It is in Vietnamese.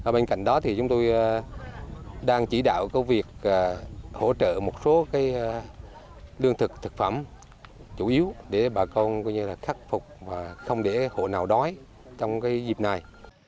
bên cạnh đó chúng tôi đang chỉ đạo việc hỗ trợ một số lương thực thực phẩm chủ yếu để bà con khắc phục và không để hộ nào đói trong dịp này